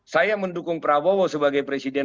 saya mendukung prabowo sebagai presiden